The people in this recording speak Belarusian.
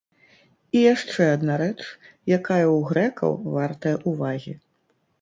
І яшчэ адна рэч, якая ў грэкаў вартая ўвагі.